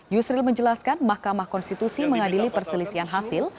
yusril menjelaskan mahkamah konstitusi mengadili perselisihan hasil